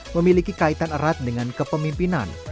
memiliki kaitan erat dengan kepemimpinan